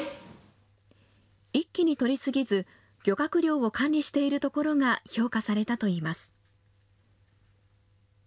一気に取り過ぎず、漁獲量を管理しているところが評価されたといいます。